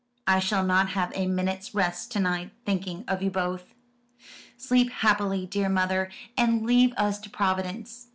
I shall not have a minute's rest to night, thinking of you both." "Sleep happily, dear mother, and leave us to Providence.